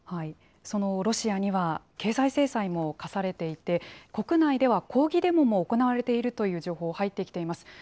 そのロシアには、経済制裁も科されていて、国内では抗議デモも行われているという情報、入ってきています。